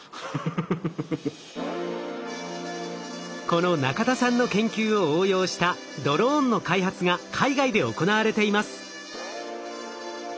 この中田さんの研究を応用したドローンの開発が海外で行われています。